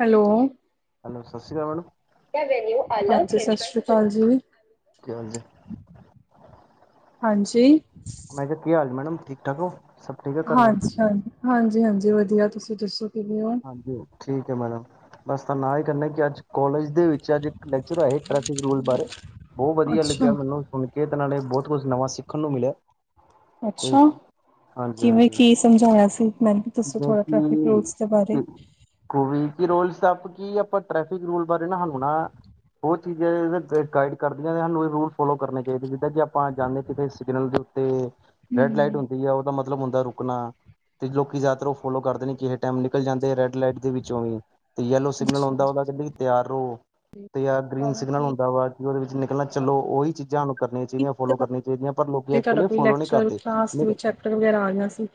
Hello, hello ਸਤਸ਼੍ਰੀਅਕਾਲ madam. [unintelligible] ਹਾਂਜੀ ਸਤਸ਼੍ਰੀਅਕਾਲ ਜੀ। ਕੀ ਹਾਲ ਜੀ। ਹਾਂਜੀ। ਮੈਂ ਕਿਆ ਕੀ ਹਾਲ ਮੈਡਮ ਠੀਕ ਠਾਕ ਓ। ਹਾਂਜੀ ਹਾਂਜੀ ਹਾਂਜੀ ਹਾਂਜੀ ਵਧੀਆ। ਤੁਸੀਂ ਦੱਸੋ ਕਿਵੇਂ ਓ। ਹਾਂਜੀ, ਠੀਕ ਐ ਮੈਡਮ। ਬਸ ਤਾਂ ਨਾਂ ਈ ਕਰਨਾ ਕੀ ਅੱਜ ਕਾਲਜ ਦੇ ਵਿੱਚ ਅੱਜ ਲੈਕਚਰ ਆਏ ਟ੍ਰੈਫਿਕ ਰੂਲ ਬਾਰੇ। ਬੋ ਵਧੀਆ ਲੱਗਿਆ ਅੱਛਾ ਮੈਨੂੰ ਸੁਨ ਕੇ ਤੇ ਨਾਲੇ ਬੋਤ ਕੁਛ ਨਵਾਂ ਸਿੱਖਣ ਨੂੰ ਮਿਲਿਆ। ਅੱਛਾ ਹਾਂਜੀ ਕਿਵੇਂ ਹਾਂਜੀ ਕੀ ਸਮਝਾਇਆ ਸੀ। ਮੈਨੂੰ ਵੀ ਦੱਸੋ ਜਿਵੇਂ ਥੋੜ੍ਹਾ ਟ੍ਰੈਫਿਕ ਰੂਲਸ ਦੇ ਬਾਰੇ। ਕਿ ਜੀ ਕੋਵੀ ਕੀ ਰੋਲ ਸਬ ਕੀ ਆ, ਆਪਾ ਟ੍ਰੈਫਿਕ ਰੂਲ ਬਾਰੇ ਨਾ, ਹਾਨੂੰ ਨਾ। ਉਹ ਚੀਜ਼ਾਂ ਗਾਈਡ ਕਰਦੀਆਂ ਨੇ ਹਾਂਨੂੰ, ਇਹ ਰੂਲ ਫੋਲੋ ਕਰਨੇ ਚਾਹੀਦੇ, ਜਿੱਦਾਂ ਕਿ ਆਪਾਂ ਜਾਂਦੇ ਕਿਤੇ ਸਿਗਨਲ ਤੇ ਰੈਡ ਹਮ ਲਾਈਟ ਹੁੰਦੀ ਆ ਓਦਾ ਮਤਲਬ ਹੁੰਦਾ ਰੁਕਣਾ। ਤੇ ਲੋਕੀ ਜਾਦਾਤਰ ਓ ਫੋਲੋ ਕਰਦੇ ਨੀ। ਕਿਹੇ ਟੈਮ ਨਿਕਲ ਜਾਂਦੈ ਰੈਡ ਲਾਈਟ ਦੇ ਵਿੱਚੋਂ ਵੀ, ਤੇ ਯੈਲੋ ਸਿਗਨਲ ਅੱਛਾ ਆਉਂਦਾ ਓਦਾ ਕੈਂਦੇ ਕੀ ਤਿਆਰ ਰਅੋ। ਤੇ ਜਾਂ ਗ੍ਰੀਨ ਤੁਹਾਨੂੰ ਸਿਗਨਲ ਕੀ ਹੁੰਦਾ ਵਾ ਕੀ ਓਦੇ ਵਿੱਚ ਨਿਕਲਣਾ ਚਲੋ। ਓਹੀ ਚੀਜ਼ਾਂ ਹਾਨੂੰ ਕਰਨੀਆਂ ਚਾਈਦੀਆਂ। ਫੋਲੋ ਕਰਨੀਆਂ ਚਾਈਦੀਆਂ। ਪਰ ਲੋਕੀ ਤੇ ਅਜ ਤੁਹਾਡਾ ਕੱਲ‌ ਏ ਕੋਈ ਫੋਲੋ ਨੀ ਲੈਕਚਰ ਕਰਦੇ। ਕਲਾਸ ਦੇ ਵਿੱਚ ਚੈਪਟਰ ਵਗੈਰਾ ਆ ਗਿਆ ਸੀ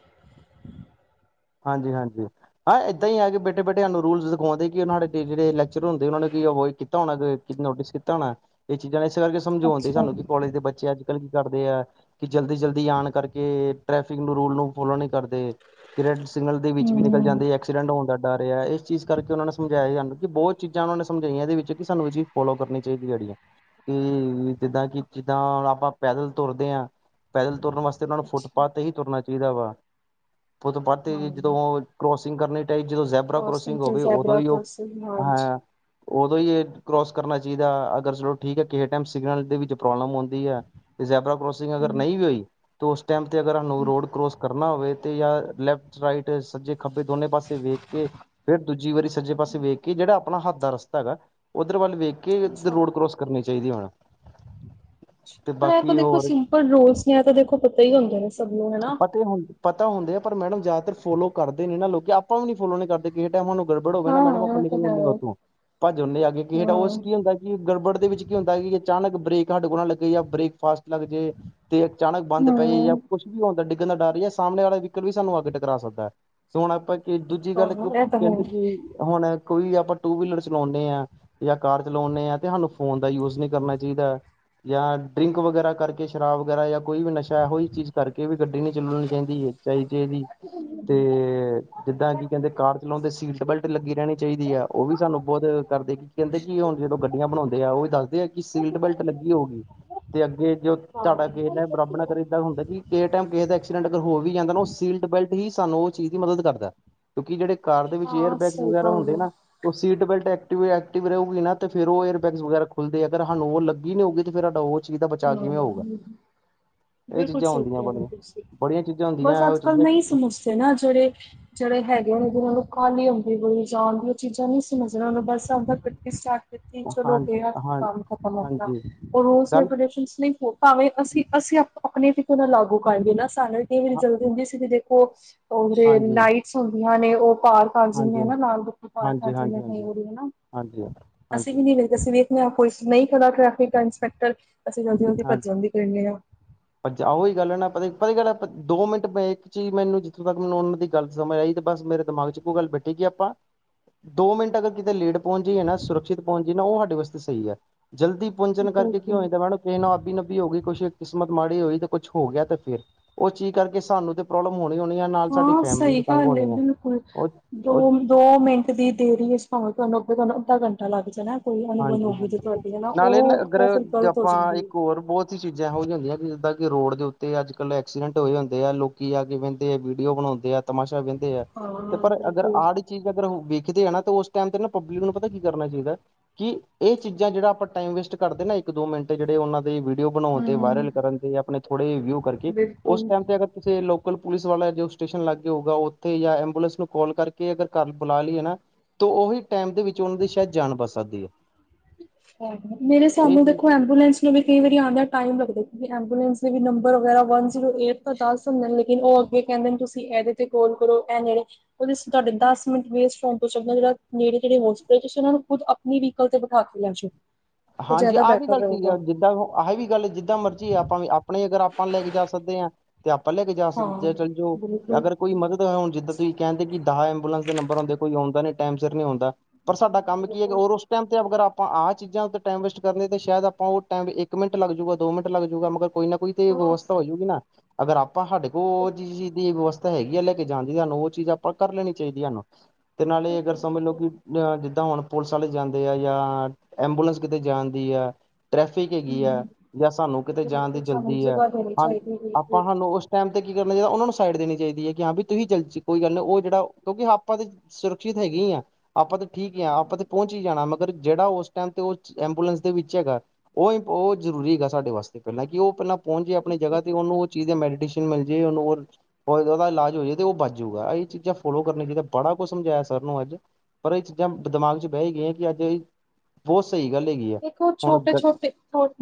ਹਾਂਜੀ ਹਾਂਜੀ। ਹਾਂ ਏਦਾਂ ਆ ਕੇ ਬੇਠੇ ਬੇਠੇ ਹਾਨੂੰ ਰੂਲਸ ਸਿਖੋਣ ਦੇ ਓ ਸਾਡੇ ਜੇੜੇ ਲੈਚਰ ਹੁੰਦੇ ਓ ਨੇ ਕੀ ਅੋਇਵਡ ਕੀਤਾ- ਕੀਤਾ ਹੋਣਾ ਕਿਤੇ ਨੋਟਿਸ ਕੀਤਾ ਹੋਣਾ। ਏ ਚੀਜ਼ਾਂ ਨੇ ਏਸੇ ਕਰਕੇ ਸਮਝਾਉਣਦੇ ਅੱਛਾ ਸਾਨੂੰ ਕੀ ਕੋਲਜ ਦੇ ਬੱਚੇ ਅੱਜ ਗਲਤ ਕਰਦੇ ਐ ਕੀ ਜਲਦੀ ਜਲਦੀ ਆਣ ਕਰਕੇ ਟ੍ਰੈਫਿਕ ਨੂੰ ਰੂਲ ਨੂੰ ਫੋਲੋ ਨੀ ਕਰਦੇ, ਕੀ ਰੈਡ ਸਿਗਨਲ ਦੇ ਵਿੱਚ ਵੀ ਨੀ ਹਮ ਜਾਂਦੇ ਐਕਸੀਡੈਂਟ ਹੋਣ ਦਾ ਡਰ ਆ। ਏਸ ਚੀਜ਼ ਕਰਕੇ ਓਨਾਂ ਨੇ ਸਮਝਾਇਆ ਸਾਨੂੰ ਕੀ ਬੋਤ ਚੀਜ਼ਾਂ ਓਨਾਂ ਨੇ ਸਮਝਾਈਆਂ ਏਦੇ ਵਿੱਚ ਕਿ ਸਾਨੂੰ ਵੀ ਜੀ- ਫੋਲੋ ਕਰਨੀ ਚਾਹੀਦੀਆ ੜੇ। ਕਿ ਜਿੱਦਾਂ ਕਿ ਜਿੱਦਾਂ ਹੁਣ ਆਪਾਂ ਪੈਦਲ ਤੁਰਦੇ ਹਾਂ, ਪੈਦਲ ਤੁਰਨ ਵਾਸਤੇ ਉਹਨਾਂ ਨੂੰ ਅੱਛਾ ਫੁੱਟਪਾਥ ਤੇ ਹੀ ਤੁਰਨਾ ਚਾਹੀਦਾ ਵਾ। ਫੁੱਟਪਥ ਹਾਂ ਤੇ ਜਦੋਂ ਕਰੋਸਿੰਗ ਕਰਨੀ ਟਾਈ, ਜਦੋਂ ਝੈਬਰਾ ਕ੍ਰੋਸਿੰਗ ਕਰੋਸਿੰਗ ਹੋ ਤੇ ਗਈ, ਉਦੋਂ ਜ਼ੈਬਰਾ ਵੀ, ਉਹ ਕ੍ਰੋਸਿੰਗ ਹ! ਹਾਂਜੀ ਉਦੋਂ ਹੀ ਇਹ ਕਰੋਸ ਕਰਨਾ ਚਾਹੀਦਾ, ਅਗਰ ਚਲੋ ਠੀਕ ਹੈ ਕਿਸੇ ਟਾਈਮ ਸਿਗਨਲ ਦੇ ਵਿੱਚ ਪ੍ਰੋਬਲਮ ਆੰਦੀ। ਤੇ ਜੈਬਰਾ ਕਰੋਸਿੰਗ ਅਗਰ ਨਹੀਂ ਵੀ ਹੋਈ, ਤੇ ਉਸ ਟਾਈਮ ਤੇ ਅਗਰ ਸਾਨੂੰ ਰੋਡ ਕਰੋਸ! ਕਰਨਾ ਹੋਵੇ ਤੇ ਜਾਂ ਲੈਫਟ ਰਾਈਟ ਸੱਜੇ! ਖੱਬੇ ਦੋਨੇ ਪਾਸੇ ਵੇਖ ਕੇ, ਫੇਿਰ ਦੂਜੀ ਵਾਰੀ ਸੱਜੇ ਪਾਸੇ ਵੇਖ ਕੇ ਜਿਹੜਾ ਆਪਣਾ ਹੱਥ ਦਾ ਰਸਤਾ ਹੈਗਾ! ਉਧਰ ਵੱਲ ਵੇਖ ਕੇ ੳਧਰ ਅੱਛਾ ਰੋਡ ਕਰੋਸ ਕਰਨੀ ਚਾਹੀਦੀ ਹੁਣ! ਤੇ ਪਰ ਇਹ ਤਾਂ ਬਾਕੀ ਦੇਖੋ ਹੋਰ ਸਿੰਪਲ ਰੂਲਸ ਨੇ ਇਹ ਤਾਂ ਦੇਖੋ ਪਤਾ ਹੀ ਹੁੰਦੇ ਨੇ ਸਭ ਨੂੰ ਹਨਾ। ਹੁੰ! ਪਤਾ ਹੁੰਦੇ ਆ ਪਰ ਮੈਡਮ ਜ਼ਿਆਦਾਤਰ ਫੋਲੋ ਕਰਦੇ ਨੀ ਨਾ ਲੋਕੀ, ਇਹਨਾਂ ਲੋਕ ਆਪਾਂ ਵੀ ਨੀ ਫੋਲੋ ਨਹੀਂ ਕਰਦੇ। ਕਿਸੇ ਟਾਈਮ ਗੜਬੜ ਹੋਵੇ ਨਾ ਮੈਡਮ, ਹਾਂ ਆਪਾਂ ਇਹ ਤਾਂ ਹੈ। ਨਿਕਲਣਦੇ ਹਾਂ ਉਥੋਂ ਭੱਜ ਹਨਦੇ ਆਗੇ ਕਿੇ ਉਸ ਹੂੰ। ਕੀ ਹੁੰਦਾ। ਕਿ ਗੜਬੜ ਦੇ ਵਿੱਚ ਕੀ ਹੁੰਦਾ ਹੈ ਕਿ ਅਚਾਨਕ ਬ੍ਰੇਕ ਸਾਡੇ ਕੋਲ ਲੱਗੇ ਜਾਂ ਬ੍ਰੇਕ ਫਾਸਟ ਲੱਗ ਜਾਏ! ਤੇ ਅਚਾਨਕ ਬੰਦ ਪਈ ਜਾਂ ਹੂੰ। ਕੁਛ ਵੀ ਹੁੰਦਾ ਡਿੱਗਣ ਦਾ ਡਰ ਸਾਹਮਣੇ ਵਾਲਾ ਵੀਕਲ ਵੀ ਸਾਨੂੰ ਅੱਗ ਟਕਰਾ ਸਕਦਾ ਹੈ! ਹੁਣ ਆਪਾਂ ਕੀ ਦੂਜੀ ਹਾਂ ਗੱਲ, ਇੱਕ ਇਹ ਤਾਂ ਹੈ ਕਹਿੰਦੇ ਕਿ ਹੁਣ ਕੋਈ ਆਪਾਂ ਟੂ ਵੀਲਰ ਚਲਾਉਂਦੇ ਹਾਂ! ਜਾਂ ਕਾਰ ਚਲਾਉਂਦੇ ਆ ਤੇ ਸਾਨੂੰ ਫੋਨ ਦਾ ਯੂਜ ਨਹੀਂ ਕਰਨਾ ਚਾਹੀਦਾ। ਜਾਂ ਡਰਿੰਕ ਵਗੈਰਾ ਕਰਕੇ, ਸ਼ਰਾਬ ਵਗੈਰਾ ਜਾਂ ਕੋਈ ਵੀ ਨਸ਼ਾ ਹੈ ਉਹੀ ਚੀਜ਼ ਕਰਕੇ ਵੀ ਗੱਡੀ ਨੀ ਚੱਲਣੀ ਚਾਹੀਦੀ ਹੈ। ਚਾਹੀਦੇ, ਇਹਦੀ ਤੇ! ਜਿੱਦਾਂ ਕੀ ਕਹਿੰਦੇ ਕਾਰ ਚਲਾਉਂਦੇ ਸੀਟ ਬੈਲਟ ਲੱਗੀ ਰਹਿਣੀ ਚਾਹੀਦੀ ਹੈ ਉਹ ਵੀ ਸਾਨੂੰ ਬਹੁਤ ਕਰਦੇਗੀ! ਕਹਿੰਦੇ ਕਿ ਹੁਣ ਜਦੋਂ ਗੱਡੀਆਂ ਬਣਾਉਂਦੇ ਆ ਉਹ ਵੀ ਦੱਸਦੇ ਆ ਕਿ ਸੀਟ ਬੈਲਟ ਲੱਗੀ ਹੋਊਗੀ! ਤੇ ਅੱਗੇ ਜੋ ਤੁਹਾਡਾ ਗ ਹਾਂ ਨੇ ਬਰਾਬਰ ਇੱਦਾਂ ਹੁੰਦਾ ਕਿ ਕਿਸੇ ਟਾਈਮ ਕਿਸੇ ਦਾ ਐਕਸੀਡੈਂਟ ਅਗਰ ਹੋ ਵੀ ਜਾਂਦਾ ਨਾ ਉਹ ਸੀਟ ਬੈਲਟ ਹੀ ਸਾਨੂੰ ਉਹ ਚੀਜ਼ ਦੀ ਮਦਦ ਕਰਦਾ, ਕਿਉਂਕਿ ਜਿਹੜੇ ਕਾਰ ਦੇ ਵਿੱਚ ਏਅਰ ਹਾਂ ਬੈਗਸ ਸਹੀ ਵਗੈਰਾ ਗੱਲ ਹੁੰਦੇ ਆ। ਨਾ- ਉਹ ਸੀਟ ਬੈਲਟ ਐਕਟ ਐਕਟਿਵ ਰਹੂਗੀ ਨਾ, ਤੇ ਫਿਰ ਉਹ ਏਰਬੈਗ ਖੁੱਲਦੇ ਆ ਪਰ ਸਾਨੂੰ ਉਹ ਲੱਗੀ ਨਹੀਂ ਹੋਊਗੀ ਤੇ ਫਿਰ! ਚੀਜ ਦਾ ਬਚਾ ਕਿਵੇਂ ਹੂੰ ਹੋਊਗਾ! ਇਹ ਬਿਲਕੁਲ ਚੀਜ਼ਾਂ ਸਹੀ ਕਹਿ ਹੁੰਦੀਆਂ ਰਹੇ ਹੋ ਬੜੀਆਂ ਤੁਸੀਂ। ਬੜੀਆਂ ਚੀਜ਼ਾਂ ਬਸ ਹੁੰਦੀਆਂ ਇਹੋ ਅੱਜ ਕੱਲ੍ਹ ਨਹੀਂ ਚੀਜ਼ਾਂ! ਸਮਝਦੇ ਨਾ- ਜਹੜੇ ਜਿਹੜੇ ਹੈਗੇ ਉਹ ਨੂੰ ਕਾਹਲੀ ਆਉਦੀ ਹੋਈ ਜਾਂਦੀ ਜਾਨ ਦੀ, ਉਹ ਚੀਜ਼ਾਂ ਨਹੀਂ ਸਮਝਣਾ ਉਹ ਨੂੰ ਬਸ ਗੱਡੀ ਸਟਾਰਟ, ਤੀ ਹਾਂ ਚਲੋ ਗਿਆ ਹਾਂ ਕੰਮ ਖਤਮ ਆਪਣਾ- ਹਾਂਜੀ ਗੱਲ ਹੋ ਭਾਵੇਂ ਅਸੀਂ ਅਸੀਂ ਆਪਣੇ ਤਿਕ ਨਾ ਲਾਗੂ ਕਰ ਦੇ ਨਾ ਸਾਨੂੰ ਹਾਂ ਜਲਦੀ ਹੁੰਦੀ ਸੀ ਦੇਖੋ, ਉਹ ਜ ਹਾਂਜੀ ਲਾਈਟਸ ਹੁੰਦੀਆਂ ਨੇ ਉਹ ਪਾਰਕ ਜਿੰਨੇ ਹਾਂਜੀ ਨਾ ਲਾਲ ਬਤੀ ਪਾਰ ਹਾਂਜੀ ਹਾਂਜੀ ਹਾਂਜੀ ਜਾਨੇ ਹਾ, ਹਾਂਜੀ ਅਸੀਂ ਹਾਂਜੀ ਵੀ ਨ ਵੇਖਦੇ ਸੀ ਵੀ ਕੋ ਨਹੀਂ ਖੜਦਾ ਟ੍ਰੈਫਿਕ ਇੰਸਪੈਕਟਰ, ਅਸੀਂ ਜਲਦੀ ਜਲਦੀ ਭੱਜਣ ਦੀ ਕਰਦੇ ਹਾਂ! ਓਹੀ ਗੱਲ ਹੈ ਨਾ ਪਤਾ ਪਤਾ ਗੱਲ ਦੋਿੰ ਮਿੰਟ ਇੱਕ ਚੀਜ਼ ਮੈਨੂੰ ਜਿੱਥੋਂ ਤੱਕ ਮੈਨੂੰ ਉਹਨਾਂ ਦੀ ਗੱਲ ਸਮਝ ਆਈ ਤੇ ਬਸ ਮੇਰੇ ਦਿਮਾਗ ਚ ਇੱਕ ਗੱਲ ਬੈਠੀ ਕਿ ਆਪਾਂ ਦੋ ਮਿੰਟ ਅਗਰ ਕਿਤੇ ਲੇਟ ਪਹੁੰਚੀ ਜਾਈਏ ਨਾ ਸੁਰੱਖਿਅਤ ਪਹੁੰਚ ਨਾ ਉਹ ਸਾਡੇ ਵਾਸਤੇ ਸਹੀ ਹੈ, ਜਲਦੀ ਪੁੰਜਣ ਕਰਕੇਉ ਆ ਹੋਏ ਤਾਂ ਮੈ ਕਿਹਾ ਕਿਸੇ ਨੂੰ ਆਬੀ ਨਬੀ ਹੋ ਗਈ ਕੁਛ ਇੱਕ ਕਿਸਮਤ ਮਾੜੀ ਹੋਈ ਤੇ ਕੁੱਛ ਹੋ ਗਿਆ ਤੇ ਫੇਰ ਉਹ ਚੀਜ਼ ਕਰਕੇ ਸਾਨੂੰ ਤੇ ਪ੍ਰੋਬਲਮ ਹੋਣੀ, ਹੋਣੀ ਹੈ ਨਾਲ ਸਾਡੀ ਹਾਂ ਫੈਮਿਲੀ ਸਹੀ ਨੂੰ ਤੰਗ ਹੋਣੀ ਹੈ। ਉਹ ਦੋ ਮਿੰਟ ਦੀ ਦੇਰੀ ਇਸ ਭਾਵੇਂ ਤੁਹਾਨੂੰ ਅੱਗੇ ਤੁਹਾਨੂੰ ਅੱਧਾ ਘੰਟਾ ਲੱਗ ਜੇ ਨਾ- ਹਾਂਜੀ' ਹਾਂਜੀ, ਨਾਲੇ ਅਗਰ ਫਿਰ ਗ਼ਲਤ ਹੋ ਆਪਾਂ ਜਾਂਦੀ ਏ। ਇੱਕ ਹੋਰ ਬਹੁਤ! ਰੋਡ ਦੇ ਉੱਤੇ ਅੱਜਕੱਲ ਐਕਸੀਡੈਂਟ ਹੋਏ ਹੁੰਦੇ ਆ ਲੋਕੀ ਜਾ ਕੇ ਬਹਿੰਦੇ ਵੀਡੀਓ ਬਣਾਉਂਦੇ ਆ ਤਮਾਸ਼ਾ ਵਹਿੰਦੇ ਆ ਤੇ, ਹਾਂ ਪਰ ਅਗਰ ਬਿਲਕੁਲ। ਆ ਚੀਜ਼ ਅਗਰ ਵੇਖਦੇ ਆ ਨਾ ਤਾਂ ਉਸ ਟਾਈਮ ਤੇ ਨਾ ਪਬਲਿਕ ਨੂੰ ਪਤਾ ਕੀ ਕਰਨਾ ਚਾਹੀਦਾ ਕਿ ਇਹ ਚੀਜ਼ਾਂ ਜਿਹੜਾ ਆਪਾਂ ਟਾਈਮ ਵੇਸਟ ਕਰਦੇ ਨਾ ਇੱਕ ਦੋ ਮਿੰਟ ਜਿਹੜੇ ਉਹਨਾਂ- ਵੀਡੀਓ ਬਣਾਉਣ ਤੇ ਹੂੰ ਵਾਇਰਲ ਕਰਨ ਤੇ ਆਪਣੇ ਥੋੜੇ ਵਿੳ ਕਰਕੇ ਉਸ ਬਿਲਕੁਲ ਟਾਈਮ ਤੇ ਅਗਰ ਕਿਸੇ ਲੋਕਲ ਪੁਲਿਸ ਵਾਲਾ ਜੋ ਸਟੇਸ਼ਨ ਲਾਗੇ ਹੋਊਗਾ ਉੱਥੇ ਜਾਂ ਐਂਬੂਲੈਂਸ ਨੂੰ ਕਾਲ ਕਰਕੇ ਅਗਰ ਘਰ ਬੁਲਾ ਲਈਏ ਨਾ- ਤ ਉਹੀ ਟਾਈਮ ਦੇ ਵਿੱਚ ਉਹਨਾਂ ਦੀ ਸ਼ਾਇਦ ਜਾਣ ਬਚ ਸਕਦੀ ਹੈ! ਮੇਰੇ ਹਿਸਾਬ ਇਹ ਨਾਲ ਚੀਜ਼ ਦੇਖੋ ਐਂਬੂਲੈਂਸ ਨੂੰ ਵੀ ਕਈ ਵਾਰੀ ਆਉਂਦਿਆਂ ਟਾਈਮ ਲੱਗਦਾ, ਕਿਉਕਿ ਐਂਬੂਲੈਂਸ ਦੇ ਨੰਬਰ ਵਗੈਰਾ ਵਨ ਜ਼ੀਰੋ ਏਟ ਤਾਂ ਦਸ ਨਈ ਲੇਕਿਨ, ਉਹ ਅੱਗੇ ਕਹਿੰਦੇ ਤੁਸੀਂ ਇਹਦੇ ਤੇ ਕੋਲ ਕਰੋ ਇਹ ਨੇੜੇ ਉਹਦੇ ਤੁਡੇ ਦਸ ਮਿੰਟ ਵੇਸਟ ਹੋਣ ਤੋਂ ਚੰਗਾ ਜ ਨੇੜੇ ਤੇੜੇ ਹਾਸਪਿਟਲ, ਤੁਸੀ ਉਹਨਾਂ ਨੂੰ ਖੁਦ ਆਪਣੀ ਵੀਕਲ ਤੇ ਬਿਠਾ ਕੇ ਲਹਜੋ ਹਾਂਜੀ ਆਹ ਵੀ ਗੱਲ ਸਹੀ ਹੈ ਜਿੱਦਾਂ ਆ ਵੀ ਗੱਲ ਜਿੱਦਾਂ ਮਰਜੀ ਆ ਆਪਾਂ ਵੀ ਆਪਣੇ ਅਗਰ ਆਪਾਂ ਨੂੰ ਲੈ ਕੇ ਜਾ ਸਕਦੇ ਹਾਂ ਤੇ ਆਪਾਂ ਲੈ ਕੇ ਜਾ ਹਾਂ ਸਕਦੇ ਚੱਲ ਜਾਓ ਬਿਲਕੁਲ ਅਗਰ ਕੋਈ ਮਦਦ ਹੁਣ ਜਿਦਾ ਤੁਸੀਂ ਕਹਿੰਦੇ ਕਿ ਦਸ ਐਬੂਲੈਂਸ ਦੇ ਨਬਰ ਹੁੰਦੇ ਕੋਈ ਆਂਦਾ ਨ ਟਾਈਮ ਸਿਰ ਨੀ ਹੁੰਦਾ ਪਰ ਸਾਡਾ ਕੰਮ ਕੀ ਹੈਗਾ ਬਿਲਕੁਲ ਰ ਉਸ ਟਾਈਮ ਤੇ ਅਗਰ ਆਪਾਂ ਆ ਚੀਜ਼ਾਂ ਟਾਈਮ ਵੇਸਟ ਕਰਦੇ ਤੇ ਸ਼ਾਇਦ ਆਪਾਂ ਉਹ ਟਾਈਮ ਇੱਕ ਮਿੰਟ ਲੱਗ ਜੂਗਾ ਦੋ ਮਿੰਟ ਲੱਗ ਜੂਗਾ ਮਗਰ ਕੋਈ ਨਾ ਕੋਈ ਤੇ ਵਿਵਸਥਾ ਹੋ ਜਾਊਗੀ ਨਾ ਅਗਰ ਆਪਾਂ ਸਾਡੇ ਕੋਲ ਉਹ ਚ ਚੀਜ਼ ਦੀ ਵਿਵਸਥਾਂ ਹੈਗੀ ਆ ਤੇ ਜਾਂਦੀ ਸਾਨੂੰ ਉਹ ਚੀਜ਼ ਆਪਾਂ ਕਰ ਲੈਣੀ ਚਾਹੀਦੀ ਹਨ ਤੇ ਨਾਲੇ ਅਗਰ ਸਮਝ ਲਓ ਕਿ ਤਾਂ ਹੁਣ ਪੁਲਿਸ ਵਾਲੇ ਜਾਂਦੇ ਆ ਜਾਂ ਐਬੂਲੈਂਸ ਕਿਤੇ ਜਾਂਣਦੀ ਆ ਟ੍ਰੈਫਿਕ ਹੈਗੀ ਹੈ ਜਾਂ ਸਾਨੂੰ ਕਿਤੇ ਜਾਣ ਦੀ ਬਿਲਕੁਲ ਸਾਨੂੰ ਜਲਦੀ ਹੈ ਸੁਭਾਅ ਦੇਣੀ ਹਾਂ ਚਾਹੀਦੀ ਆਪਾਂ ਬਿਲਕੁਲ ਸਾਨੂੰ ਉਸ ਟਾਈਮ ਤੇ ਕੀ ਕਰਨਾ ਚਾਹੀਦਾ ਉਹਨਾ ਨੂੰ ਸਾਈਡ ਦੇਣੀ ਚਾਹੀਦੀ ਹੈ ਕਿ ਹਾਂ ਵੀ ਤੁਸੀਂ ਜਲ ਕੋਈ ਗੱਲ ਉਹ ਜਿਹੜਾ ਕਿਉਂਕਿ ਆਪਾਂ ਤੇ ਸੁਰੱਖਿਅਤ ਹੈਗੀ ਹੀ ਆ ਆਪਾਂ ਤਾਂ ਠੀਕ ਹਾਂ ਆਪਾਂ ਤੇ ਪਹੁੰਚ ਹੀ ਜਾਣਾ ਮਗਰ ਜਿਹੜਾ ਉਸ ਟਾਈਮ ਤੇ ਐਂਬੂਲੈਂਸ ਦੇ ਵਿੱਚ ਹੈਗਾ ਉਹ ਉਹ ਜ਼ਰੂਰੀ ਹੈਗਾ ਸਾਡੇ ਵਾਸਤੇ ਪਹਿਲਾਂ ਕਿ ਉਹ ਪਹਿਲਾਂ ਪਹੁੰਚੇਏ ਆਪਣੀ ਜਗਾ ਤੇ ਉਹਨ ਉਹ ਚੀਜ਼ ਹੈ ਮੈਡੀਟੇਸ਼ਨ ਮਿਲ ਜਾਵੇ ਉਹਦਾ ਇਲਾਜ ਹੋ ਜਾਏ ਤੇ ਉਹ ਬੱਚ ਜਾਊਗਾ ਇਹ ਚੀਜ਼ਾਂ ਫੋਲੋ ਕਰਨੀਆਂ ਚਾਹੀਦਾ ਬੜਾ ਕੁਝ ਸਮਝਾਇਆ ਸਰ ਨੂੰ ਅੱਜ ਪਰ ਇਹ ਚੀਜ਼ਾਂ ਦਿਮਾਗ ਚਚ ਬਹਿ ਹੀ ਗਈਆਂ ਕਿ ਅੱਜ ਇਹ ਬਹੁਤ ਸਹੀ ਗੱਲ ਹੈਗੀ ਹੈ। ਦੇਖੋ ਛੋਟੇ- ਛੋਟੇ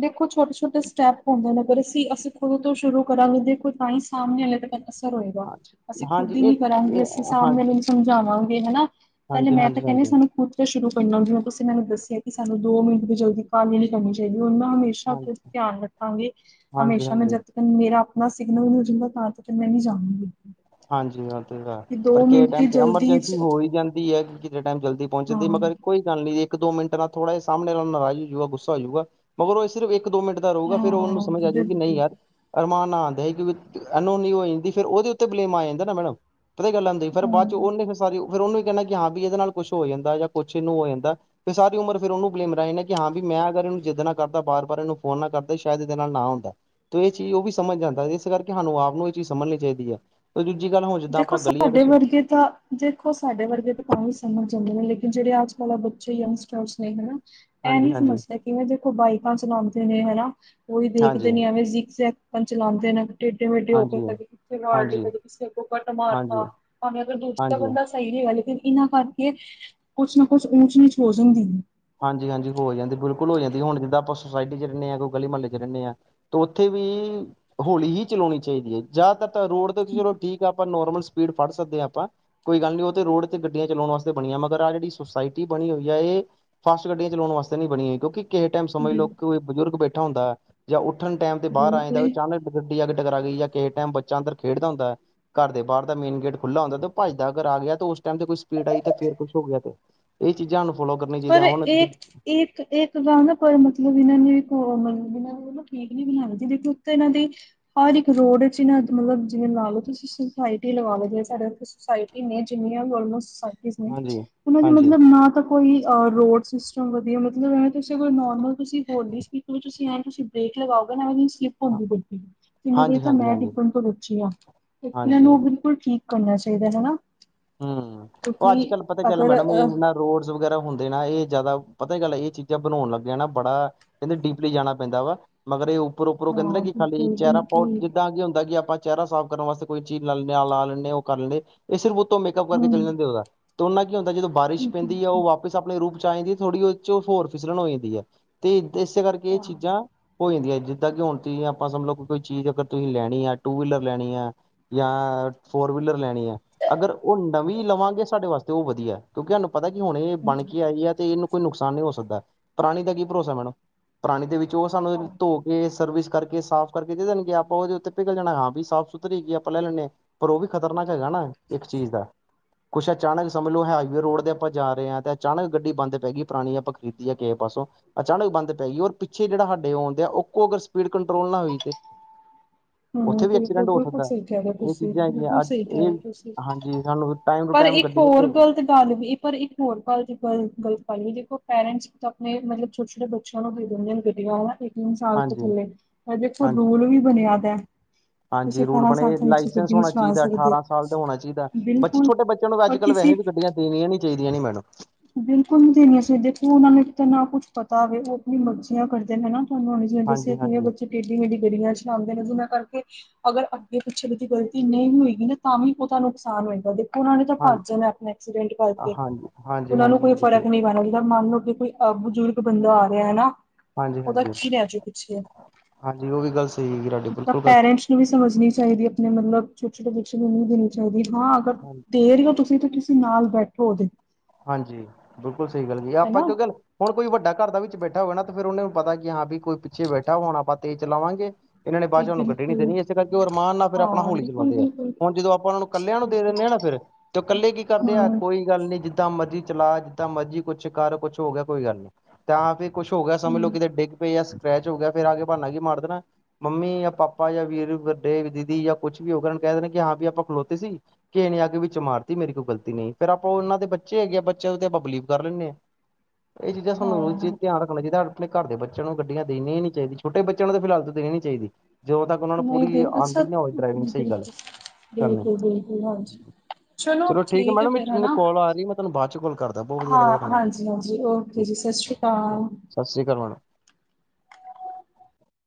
ਦੇਖੋ ਛੋਟੇ- ਛੋਟੇ ਸਟੈਪ ਹੁੰਦੇ ਨੇ ਅਗਰ ਅਸੀਂ, ਅਸੀਂ ਖੁਦ ਤੋਂ ਸ਼ੁਰੂ ਕਰਾਂਗੇ ਦੇਖ ਕੋਈ ਤਾਂ ਹੀ ਸਾਹਮਣੇ ਆਲੇ ਤਾਂ ਅਸਰ ਹੋਏਗਾ ਅਸੀਂ ਹਾਂਜੀ ਖੁਦ ਹੀ ਇਹ ਨੀ ਕਰਾਂਗੇ ਅਸੀਂ ਇਹ ਸਾਹਮਣੇ ਆਲੇ ਹਾਂਜੀ ਨੂੰ ਸਮਝਾਵਾਂਗੇ ਹਨਾ ਪਹਿਲੇ ਹਾਂਜੀ ਮੈਂ ਹਾਂਜੀ ਕਹਿੰਦੀ ਹਾਂਜੀ ਹਾਂਜੀ ਸਾਨੂੰ ਕੁਛ ਸ਼ੁਰੂ ਕਰਨਾ ਜਿਵੇ ਤੁਸੀਂ ਮੈਨੂੰ ਦੱਸਿਆ ਕਿ ਸਾਨੂੰ ਦੋ ਮਿੰਟ ਦੀ ਜਲਦੀ ਕਾਹਾਲੀ ਨਈ ਕਰਨੀ ਚਾਹੀਦੀ ਉਹਨਾਂ ਹਮੇ ਅੱਛਾ ਹਾਂਜੀ ਫੇਰ ਧਿਆਨ ਰੱਖਾਂਗਿ ਹਾਂਜੀ ਹਮੇਸ਼ਾ ਮੈਂ ਹਾਂਜੀ ਜਦ ਮੇਰਾ ਆਪਣਾ ਸਿਗਨਲ ਮਿਲਜਾਂਦਾ ਤਾਂ ਤਕ ਫਿਰ ਮੈਂ ਨੀ ਜਾਂਦੀ ਹਾਂਜੀ ਉਹਾਂ ਤੇ ਪਰ ਕਿਸੇ ਟਾਈਮ ਤੇ ਜਲਦੀ ਵਿੱਚ ਐਮਰਜੈਂਸੀ ਹੋ ਹੀ ਜਾਂਦੀ ਹੈ ਕਿ ਕਿਤੇ ਟਾਈਮ ਜਲਦੀ ਪਹੁੰਚ ਹਾਂ ਜਾਂਦੀ ਮਗਰ ਕੋਈ ਗੱਲ ਨੀ ਇੱਕ ਦੋ ਮਿੰਟ ਨਾਲ ਥੋੜਾ ਜਿ ਸਾਹਮਣੇ ਨਾਲ ਨਾਰਾਜ਼ ਹੋਜੂਗਾ ਗੁੱਸਾ ਹੋਜਊਗਾ ਮਗਰੋ ਉਹ ਇਹ ਸਿਰਫ ਇੱਕ ਦੋ ਮਿੰਟ ਰਹੇੂਗਾ ਫਿਰ ਉਹਨੂੰ ਹਾਂ ਸਮਝ ਆ ਜਾਊਗੀ ਨਹੀਂ ਬਿਲਕੁਲ ਯਾਰ ਅਰਾਮ ਆਂਦਾ ਸੀ ਕਿਉਕਿ ਐਨੂੰ ਨੀ ਹੋ ਜਾਂਦੀ ਫੇਰ ਉਹਦੇ ਉੱਤੇ ਬਲੇਮ ਆ ਜਾਂਦਾ ਨਾ ਮੈਡਮ ਪਤਾ ਗੱਲ ਫਿਰ ਹਾਂ ਬਾਅਦ ਚ ਉਹਨੇ ਫਿਰ ਸਾਰੀ ਫਿਰ ਉਹਨੂੰ ਵੀ ਕਹਿਿੰਣਾ ਕਿ ਹਾਂ ਵੀ ਇਹਦੇ ਨਾਲ ਕੁਛ ਹੋ ਜਾਂਦਾ ਜਾਂ ਕੁਛ ਇਹਨੂੰ ਹੋ ਜਾਂਦਾ ਫਿਰ ਸਾਰੀ ਉਮਰ ਫਿਰਰ ਉਹਨੂੰ ਬਲੇਮ ਰਹੇ ਨੇ ਕਿ ਹਾਂ ਵੀ ਮੈਂ ਅਗਰ ਇਹਨੂੰ ਜਿੱਦ ਨਾਲ ਕਰਦਾ ਬਾਰ- ਬਾਰ ਇਹਨੂੰ ਫੋਨ ਨਾ ਕਰਦਾ ਸ਼ਾਇਦ ਇਹਦੇ ਨਾਲ ਨਾ ਆਉਂਦਾ ਤ ਇਹ ਚੀਜ਼ ਉਹ ਵੀ ਸਮਝ ਜਾਂਦਾ ਇਸ ਕਰਕੇ ਸਾਨੂੰ ਆਪ ਨੂੰ ਇਹ ਚੀਜ਼ ਸਮਝਣੀ ਚਾਹੀਦੀ ਹੈ ਈ ਦੂਜੀ ਗੱਲ ਹੁੰ ਜਿੱਦਾਂ ਦੇਖੋ ਆਪਾਂ ਗਲੀਆਂ ਸਾਡੇ ਦੱਸੋ? ਵਰਗੇ ਤਾਂ ਦੇਖੋ ਸਾਡੇ ਵਰਗੇ ਤਾਂ ਤਾਂ ਵੀ ਸਮਝ ਆਉਦੇ, ਨੇ ਲੇਕਿਨ ਜਿਹੜੇ ਅੱਜ ਕਲ ਬੱਚੇ ਯੰਗਸਟਰਸ ਨੇ ਹਨਾ। ਇਹ ਹਾਂਜੀ ਨਹੀਂ ਹਾਂਜੀ ਸਮਝਦਾ ਕਿਵੇਂ ਦੇਖੋ ਬਾਈਕਾਂ ਚਲਾਉਂਦੇ ਨੇ ਹਨਾ ਉਹੀ ਹਾਂਜੀ ਦੇਖਦੇ ਨੇ ਐਵੇਂ। ਚਲਾਉਂਦੇ ਨੇ ਟੇਡੇ ਮੇਡੇ ਹੋ ਕੇ ਹਾਂਜੀ ਹਾਂਜੀ ਕਦੇ-ਕਦੇ ਕਿਸੇ ਕੱਟ ਮਾਰਤਾ ਹਾਂਜੀ ਭਾਵੇਂ ਅਗਰ ਦੂਜਾ ਹਾਂਜੀ ਬੰਦਾ, ਸਹੀ ਗਲ ਲੇਕਿਨ ਇਹਨਾਂ ਕਰਕੇ ਕੁਛ ਨਾ ਕੁਛ ਉਚ ਨੀਚ ਹੋ ਜਾਂਦੀ ਹੈ। ਹਾਂਜੀ ਹਾਂਜੀ ਹੋ ਜਾਂਦੀ ਬਿਲਕੁਲ ਹੋ ਜਾਂਦੀ ਹੁਨ ਜਿਦਾ ਆਪਾ ਸੁਸਾਇਟੀ ਚ ਰਹਦੇ ਹਾਂ ਕੋਈ ਗਲੀ ਮੋਹਲੇ ਰਹਿੰਦੇ ਹਾਂ ਉੱਥੇ ਵੀ ਹੋਲੀ ਹੀ ਚਲਾਉਣੀ ਚਾਹੀਦੀ ਹੈ ਜ਼ਿਆਦਾਤਰ ਤਾਂ ਰੋਡ ਦੇ ਚਲੋ ਠੀਕ ਆ ਆਪਾਂ ਨੋਰਮਲ ਸਪੀਡ ਫੜ ਸਕਦੇ ਹਾਂ ਆਪਾਂ ਕੋਈ ਗੱਲ ਨਹੀਂ ਉਹ ਤੇ ਰੋਡ ਤੇ ਗੱਡੀਆਂ ਚਲਾਉਣ ਵਾਸਤੇ ਬਣੀਆਂ ਮਗਰ ਆਹ ਜਿਹੜੀ ਸੁੋਸਾਇਟੀ ਬਣੀ ਹੋਈ ਹੈ ਇਹ ਫਾਸਟ ਗੱਡੀਆਂ ਚਲਾਉਣ ਵਾਸਤੇ ਨਹੀਂ ਬਣੀ ਹੌਈ ਕਿਉਂਕਿ ਕਿਸੇ ਟਾਈਮ ਸਮਝ ਲਓ ਕੋਈ ਬਜ਼ੁਰਗ ਬੈਠਾ ਹੁੰਦਾ ਹੈ। ਜਾਂ ਉੱਠਣ ਟਾਈਮ ਤੇ ਬਾਹਰ ਆ ਜਾਂਦਾ ਬਿਲਕੁਲ ਚੰ ਗੱਡੀ ਅੱਗ ਤਕਰਾ ਗਈ ਜਾਂ ਕਿਸੇ ਟਾਈਮ ਬੱਚਾ ਅੰਦਰ ਖੇਡਦਾ ਹੁੰਦਾ ਹੈ ਘਰ ਦੇ ਬਾਹਰ ਦਾ ਮੇਨ ਗੇਟ ਖੁੱਲਾ ਹੁੰਦਾ ਤੇ ਭੱਜ ਦਾ ਅਗਰ ਆ ਗਿਆ ਤੇ ਉਸ ਟਾਈਮ ਤੇ ਕੋਈ ਸਪੀਡ ਆਈ ਤੇ ਫੇਰ ਕੁਛ ਹੋ ਗਿਆ ਤੇ ਇਹ ਚੀਜ਼ਾਂ ਨੂੰ ਫੋਲੋ ਕਰਨੀ ਪਰ ਚਾਹੀਦੀਆਂ ਹੁਣ ਇੱਕ, ਇੱਕ, ਇੱਕ ਗੱਲ ਨਾ ਪਰ ਮਤਲਬ ਇਹਨਾਂ ਨੇ ਮਤਲਬ ਇਹਨਾਂ ਨੂੰ ਉਹ ਠੀਕ ਨਈ ਬਣਾਉਣਾ ਜਹਦੇ ਕਿ ਉੱਤੇ ਇਹਨਾਂ ਦੀ ਹਰ ਇੱਕ ਰੋਡ ਚ ਇਹ ਨਾ ਮਤਲਬ ਜਿਵੇਂ ਲਾ ਲਓ ਤੁਸੀਂ ਸੁੋਸਾਇਟੀ ਲਗਾ ਲਓ ਜ ਸਾਡੇੱ ਸਸਾਇਟੀ ਨੇ ਜਿੰਨੀਆਂ ਵੀ ਆਲਮੋਸਟ ਨੇ ਹਾਂਜੀ, ਉਹਨਾਂ ਦੇ ਹਾਂਜੀ, ਮਤਲਬ ਨਾ ਤਾਂ ਕੋਈ ਅ ਰੋਡ ਸਿਸਟਮ ਵਧੀਆ ਮਤਲਬ ਐਂ ਤੁਸੀਂ ਨੋਰਮਲ ਤੁਸੀਂ ਹੋਰਲੀ ਸਪੀਕ ਹੋ ਤੁਸੀਂ ਐਂ ਤੁਸੀਂ ਬ੍ਰੇਕ ਲਗਾਓਗਾ ਨਾ [unintelligible] ਸਲਿਪ ਦੀ [unintelligible] ਹਾਂ- ਗੱਡੀ ਏਨੀ ਨੂੰ ਵਾਰੀ ਹਾਂਜੀ, ਤਾਂ ਹਾਂਜੀ, ਮੈਂ ਹਾਂਜੀ, ਡਿੱਬਣ ਤੋਂ ਬਚੀ ਆ [unintelligible] ਤੇ ਇਹਨਾਂ ਹਾਂਜੀ। ਨੂੰ ਬਿਲੁਲ [unintelligible] ਠੀਕ ਕਰਨਾ ਚਾਹੀਦਾ ਹਨਾ ਹੂੰ ਉਹ ਅੱਜ ਕਿਉਂਕਿ ਕੱਲ ਪਤਾ ਚੱਲ ਅਗਰ ਮੈਡਮ ਵੀ ਅ ਇਹਨਾਂ ਰੋਡਸ ਵਗੈਰਾ ਹੁੰਦੇ ਨਾ ਇਹ ਜ਼ਿਆਦਾ ਪਤਾ [unintelligible] ਗੱਲ ਇਹ ਚੀਜ਼ਾਂ ਬਣਾਉਣ ਲੱਗਿਆ ਨਾ ਬੜਾ ਕਹਿੰਦੇ ਡੀਪਲੀ ਜਾਣਾ ਪੈਂਦਾ ਵਾ ਮਗਰ ਇਹ ਉੱਪਰ ਉੱਪਰੋਂ ਕਹਿੰਦੇ ਹਾਂ ਕਿ ਖਾਲੀ ਬਿਲਕੁਲ ਚਿਹਰਾ ਪਾੋਟ ਬਿਲਕੁਲ ਜਿੱਦਾਂ ਅ ਹੁੰਦਾ ਕਿ ਆਪਾਂ ਚਿਹਰਾ ਸਾਫ਼ ਕਰਨ ਵਾਸਤੇ ਕੋਈ ਚੀਜ਼ ਲਾ ਲੈਨੇ ਆਹ ਲਾ ਲੈਂਦੇ ਉਹ ਕਰ ਲੈਂਦੇ ਇਹ ਸਿਰਫ ਉਤੋਂ ਮੇਕਅਪ ਕਰਕੇ ਹੂੰ, ਚਲੇ ਜਾਂਦੇ ਉਹਦਾ ਤਾਂ ਉਹਨਾ ਕੀ ਹੁੰਦਾ ਜਦੋਂ ਬਾਰਿਸ਼ ਪੈਂਦੀ ਹੈ ਉਹ ਵਾ ਸ ਆਪਣੇ ਰੂਪ ਚ ਆ ਜਾਂਦੀ ਥੋੜ੍ਹੀ ਉਹਦ ਚ ਹੋਰ ਫਿਸਲਣ ਹੋ ਜਾਂਦੀ ਆ ਤੇ ਇਸੇ ਕਰਕੇ ਇਹ ਚੀਜ਼ਾਂ ਹੋ ਜਾਂਦੀ ਹੈ ਜਿੱਦਾਂ ਕਿ ਹੁਣ ਤੁਹੀਂ ਆਪਾਂ ਸਮਝਲੋ ਕੋਈ ਚੀਜ਼ ਅਗਰ ਤੁਸੀਂ ਲੈਣੀ ਆ ਟੂ ਵੀਲਰ ਲੈਣੀ ਆ ਯਾਂ ਫੋਰ ਵੀਲਰ ਲੈਣੀ ਆਂ ਅਗਰ ਉਹ ਨਵੀਂ ਲਵਾਂਗੇ ਸਾਡੇ ਵਾਸਤੇ ਉਹ ਵਧੀਆ ਕਿਉਂਕਿ ਹਾਨੂੰ ਪਤਾ ਕਿ ਹੁਣ ਇਹ ਬਣ ਕੇ ਆਈ ਹੈ, ਤੇ ਇਹਨੂੰ ਕੋਈ ਨੁਕਸਾਨ ਨਹੀ ਹੋ ਸਕਦਾ ਪੁਰਾਣੀ ਦਾ ਕੀ ਭਰੋਸਾ ਮੈਡਮ ਪੁਰਾਣੀ ਦੇ ਵਿੱਚ ਉਹ ਸਾਨੂੰ ਧੋ ਇਹ ਸਰਵਿਸ ਕਰਕੇ ਸਾਫ਼ ਕਰਕੇ ਦੇ ਦੇਣਗੇ ਆਪਾਂ ਉਹਦੇ ਉੱਤੇ ਪਿਘਲ ਜਾਣਾ ਹਾਂ ਵੀ ਸਾਫ਼ ਸੁਥਰੀ ਹੈਗੀ ਆ ਆਪਾਂ ਲੈ ਲੈਂਨੇ ਆਂ ਪਰ ਉਹ ਵੀ ਖ਼ਤਰਨਾਕ ਹੈਗਾ ਨਾ ਇੱਕ ਚੀਜ਼ ਦਾ ਕੁਛ ਅਚਾਨਕ ਸਮਝ ਲੋ ਹਾਈਵੇ ਰੋਡ ਦੇ ਆਪਾਂ ਜਾ ਰਹੇ ਹਾਂ ਤੇ ਅਚਾਨਕ ਗੱਡੀ ਬੰਦ ਪੈ ਗੀ ਪੁਰਾਣੀ ਆਪਾਂ ਖਰੀਦੀ ਆ ਕੇਹੇ ਪਾਸੋਂ ਅਚਾਨਕ ਬੰਦ ਪੈ ਗੀ ਔਰ ਪਿੱਛੇ ਜਿਹੜਾ ਹਾਡੇ ਆਉਣ ਡਆ ਉਹ ਕੋ ਅਗਰ ਸਪੀਡ ਕੰਟਰੋਲ ਨਾ ਹੋਈ ਤੇ ਉੱਥੇ ਵੀ ਐਕਸੀਡੈਂਟ ਹੋ ਬਿਲਕੁਲ-ਬਿਲਕੁਲ ਸਕਦਾ, ਸਹੀ ਕਹਿ ਰਹੇ ਹੋ ਇਹ ਤੁਸੀਂ, ਚੀਜ਼ਾਂ ਏਨੀਆਂ ਹੈਗੀਆਂ ਬਿਲਕੁਲ ਅੱਜ ਸਹੀ ਕਹਿ ਰਹੇ ਇਹ ਹੋ ਤੁਸੀਂ। ਹਾਂਜੀ ਸਾਨੂੰ ਟਾਈਮ ਟੂ ਪਰ ਟਾਈਮ ਇੱਕ ਗੱਡੀ ਹੋਰ ਉਤੇੇ ਗ਼ਲਤ ਗੱਲ ਵੀ ਪਰ ਇੱਕ ਹੋਰ ਗੱਲ ਦੀ ਗਲਤ ਗੱਲੀ ਦੇਖੋ ਪੇਰੈਂਟਸ ਆਪਣੇ ਮਤਲਬ ਛੋਟੇ ਛੋਟੇ ਬੱ ਛ ਨੂੰ [unintelligible] ਦੇ ਦਿੰਦੇ ਗੱਡੀਆਂ ਹਨਾ, ਤੇ ਤਿੰਨ [unintelligible] ਸਾਲ ਤੋਂ ਹਾਂਜੀ ਥੱਲੇ ਦੇਖੋ ਹਾਂਜੀ ਰੂਲ ਵੀ ਬਣਿਆ ਵੈ [inaudible] ਹਾਂਜੀ ਰੂਲ ਬਣੇ ਲਾਇਸੈਂਸ ਗੱਡੀ ਨਹੀਂ ਹੋਣਾ ਚਲਾ ਚਾਹੀਦਾ ਸਕਦੇ, ਅਠਾਰਾਂ ਸਾਲ ਦਾ ਹੋਣਾ ਚਾਹੀਦਾ ਬੱਚੇ ਬਿਲਕੁਲ ਛੋਟੇ ਬੱਚਿਆਂ ਨੂੰ ਵੀ ਅੱਜ ਔਰ ਕੱਲ ਕਿਸੀ ਵੈਹੇ ਵੀ ਗੱਡੀਆਂ ਦੇਣੀਆਂ ਨੀ ਚਾਹੀਦੀਆਂ ਨੇ ਮੈਡਮ ਬਿਲਕੁਲ ਨੀ ਦੇਰੀਆਂ ਸਹੀ ਦੇਖੋ ਉਹਨਾਂ ਨੇ ਤਾਂ ਨਾ ਕੁੱਛ ਪਤਾ ਹੋਵੇ ਉਹ ਆਪਣੀ ਮਰਜ਼ੀਆਂ ਕਰਦੇ ਨੇ ਹਨਾ ਤੁਹਾਨੂੰ [unintelligible] ਜਿਵੇਂ ਦੱਸਿਆ ਹਾਂਜੀ ਕਿਵੇਂ ਹਾਂਜੀ ਬੱਚੇ ਟੇਡੀ ਮੇਡੀ ਗਲੀਆਂ ਚਲਾਉਂਦੇ ਨੇ ਉਹਨਾਂ ਕਰਕੇ ਅਗਰ ਅੱਗੇ ਪਿੱਛੇਦੀ ਗਲਤੀ ਨਹੀਂ ਹੋਏਗੀ ਨਾ ਤਾਂ ਵੀ ਉਹਤਾੂੰ ਨੁਕਸਾਨ ਹੋਏਗਾ ਉਹਨਾਂ ਨੇ ਤਾਂ ਹਾਂਜੀ ਭੱਜ ਜਾਣਾ ਆਪਣੇ ਐਕਸੀਡੈਂਟ ਕਰਕੇ ਹਾਂਜੀ ਹਾਂਜੀ ਉਹਨਾਂ ਨੂੰ ਹਾਂਜੀ ਕੋਈ ਫ਼ਰਕ ਹਾਂਜੀ ਨਹੀਂ ਪੈਣਾ ਚਾਹੀਦਾ, ਮੰਨ ਲਓ ਕਿ ਕੋਈ ਬਜ਼ੁਰਗ ਬੰਦਾ ਆ ਰਿਹਾ ਹਨਾ ਹਾਂਜੀ ਉਹਦਾ ਹਾਂਜੀ ਕੀ ਰਹਿ ਜਾਓ ਪਿੱਛੇ ਹਾਂਜੀ ਉਹ ਵੀ ਗੱਲ ਸਹੀ ਹੈਗੀ ਤੁਹਾਡੀ ਤਾਂ ਬਿਲਕੁਲ ਗੱਲ ਪੇਰੈਂਟਸ ਨੂੰ ਵੀ ਸਮਝਣੀ ਚਾਹੀਦੀ ਆਪਣੇ ਮਤਲਬ ਛੋਟੇ ਛੋਟੇ ਬੱਚਿਆਂ ਨੂੰ ਨਹੀਂ ਦੇਣੀ ਚਾਹੀਦੀ ਹਾਂ ਅਗ ਹਾਂਜੀ ਦੇ ਰਹੇ ਹੋ ਤੁ ਜ [unintelligible] ਤੁਸੀਂ ਨਾਲ ਬੈਠੋ ਉਹਦੇ, ਹਾਂਜੀ ਬਿਲਕੁਲ ਸਹੀ ਗੱਲ ਕਈ, ਆਪਾਂ ਹਨਾ ਕਿਉਂ ਗੱਲ ਹੁਣ ਕੋਈ ਵੱਡਾ ਘਰ ਦਾ ਵਿੱਚ ਬੈਠਾ ਹੋਵੇ ਨਾ ਤੇ ਫਿਰ ਉਹਨਾਂ ਨੂੰ ਪਤਾ ਕਿ ਹਾਂ ਵੀ ਕੋਈ ਪਿੱਛੇ ਬੈਠਾ, ਹੁਣ ਆਪਾਂ ਤੇਜ਼ ਚਲਾਵਾਂਗੇ ਇਹਨਾਂ ਨੇ ਤੇ ਬਾਚੋ ਸਾਨੂੰ ਗੱਡੀ ਨੀ ਬਿਲਕੁਲ ਦੇਣੀ ਇਸੇ ਕਰਕੇ ਉਹ ਅਰਮਾਨ ਨਾਲ ਫਿਰ ਆਪਣਾ ਹਾਂ ਹੋਲੀ ਬਿਲਕੁਲ ਚਲਾਉਂਦੇ ਆ ਬਿਲਕੁਲ ਹੁਣ ਜਦੋਂ ਆਪਾਂ ਉਹਨਾਂ ਨੂੰ ਕੱਲਿਆਂ ਨੂੰ ਦੇ ਬਿਲਕੁਲ ਦਿੰਦੇ ਹਾਂ ਨਾ ਫ਼ਿਰ ਤੇ ਕੱਲੇ ਕੀ ਕਰਦੇ ਆ ਹਮ ਕੋਈ ਕੋ ਗੱਲ ਨੀ ਜਿੱਦਾਂ ਮਰਜ਼ੀ ਚਲਾ, ਜਿੱਦਾਂ ਮਰਜ਼ੀ ਕੁਛ ਕਰ ਕੁਛ ਹੋ ਗਿਆ ਕੋਈ ਗੱਲ ਨੀ ਤਾਂ ਫੇਰ ਕੁਛ ਹੋ ਗਿਆ ਸਮਝ ਲਓ ਕਿਤੇ ਡਿੱਗ ਪਏ ਯਾ ਸਕਰੈਚ ਹੋ ਗਿਆ ਫਿਰਰ ਆ ਕੇ ਬਾਨਾ ਕੀ ਮਾਰ ਦੇਣਾ ਮੰਮੀ ਯਾ ਪਾਪਾ ਯਾ ਵੀਰ ਵੱਡੇ ਦੀਦੀ ਜਾਂ ਕੁੱਛ ਵੀ ਹੋ ਗਿਆ ਉਹ ਕਹਿ ਦੇਿੰਦੇ ਕਿ ਹਾਂ ਵੀ ਆਪਾਂ ਖਲੋਤੇ ਸੀ ਕਿ ਨੀ ਆ ਕੇ ਵਿੱਚ ਮਾਰਤੀ ਮੇਰੀ ਕੋਈ ਗਲਤੀ ਨਹੀਂ ਫੇਰ ਆਪਾਂ ਉਹਨਾਂ ਦੇ ਬੱਚੇ ਬੱਚੇ ਹੈਗੇ ਆ ਬੱਚੇ ਉਹ ਤੇ ਆਪਾਂ ਬਿਲੀਵ ਕਰ ਲੈਂਨੇ ਹਾਂ ਇਹ ਚੀਜ਼ਾਂ ਤੁਾਨੂੰ ਰੋਜ਼ ਹਾਂ ਧਿਆਨ ਰੱਖਣਾ ਚਾਹੀਦਾ ਆਪਣੇ ਘਰ ਦੇ ਬੱਚਿਆਂ ਨੂੰ ਗੱਡੀਆਂ ਦੇਣੀਆਂ ਨੀ ਚਾਹੀਦੀ ਛੋਟੇ ਬੱਚਿਆਂ ਨੂੰ ਫਿਲਹਾਲ ਤੋਂ ਦੇਣੀ ਚਾਹੀਦੀ। ਜਦੋਂ ਤੱਕ ਉਹਨਾਂ ਨੂੰ ਨਹੀਂ ਪੂਰੀ ਦੇ ਆਂਦੀ ਅੱਛਾ ਨਾ ਹੋਵੇ ਡਰਾਈਵਿੰਗ ਸਹੀ ਗੱਲ ਬਿਲਕੁਲ ਕਰਨੀ ਬਿਲਕੁਲ ਬਿਲਕੁਲ ਹਾਂਜੀ ਚਲੋ ਠੀਕ ਹੈ ਮੈਡਮ ਮੈਨੂੰ ਕਾਲ ਆ ਰਹੀ ਤੁਹਾਨੂੰ ਬਾਅਦ ਚ ਕੋਲ ਕਰਦਾ ਬਹੁਤ ਵਧੀਆ ਹਾਂ ਲੱਗਦਾ ਕਰ ਹਾਂਜੀ ਹਾਂਜੀ ਓਕੇ ਜੀ ਸਤਿ ਸ਼੍ਰੀ ਅਕਾਲ ਸਤਿ ਸ਼੍ਰੀ ਕਾਲ ਮੈਡਮ